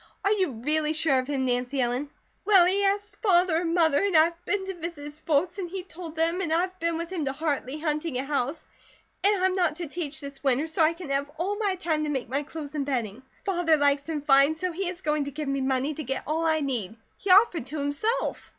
Are you really sure of him, Nancy Ellen?" "Well, he asked Father and Mother, and I've been to visit his folks, and he told them; and I've been with him to Hartley hunting a house; and I'm not to teach this winter, so I can have all my time to make my clothes and bedding. Father likes him fine, so he is going to give me money to get all I need. He offered to, himself."